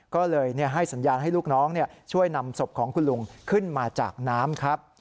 ก็เลยให้สัญญาณให้ลูกน้องช่วยนำศพของคุณลุงขึ้นมาจากน้ำครับ